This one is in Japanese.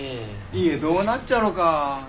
家どうなっちゃろか？